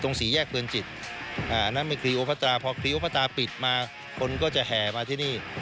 ตรงสี่แยกเกลือนจิตอ่าน้ำไอ